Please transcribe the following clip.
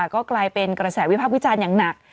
ก็กลายเป็นกระแสวิพักษ์วิจารณ์อย่างหนัก